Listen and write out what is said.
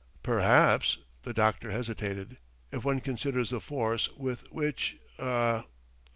"Perhaps," the doctor hesitated, "if one considers the force with which ..